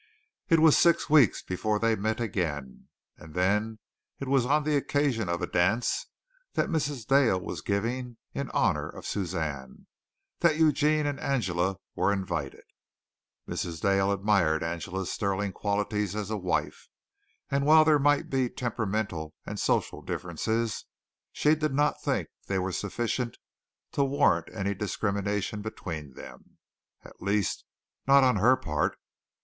It was six weeks before they met again, and then it was on the occasion of a dance that Mrs. Dale was giving in honor of Suzanne that Eugene and Angela were invited. Mrs. Dale admired Angela's sterling qualities as a wife, and while there might be temperamental and social differences, she did not think they were sufficient to warrant any discrimination between them, at least not on her part.